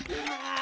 あ。